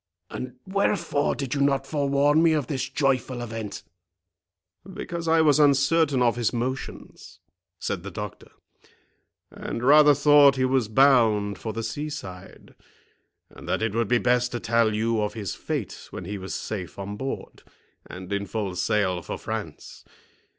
and wherefore did you not forewarn me of this joyful event?" "Because I was uncertain of his motions," said the doctor, "and rather thought he was bound for the sea side, and that it would be best to tell you of his fate when he was safe on board, and in full sail for France.